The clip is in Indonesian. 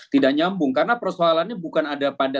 tidak nyambung karena persoalannya bukan ada pada